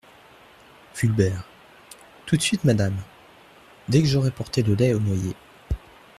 Fulbert Tout de suite, Madame … dès que j'aurai porté le lait au noyé …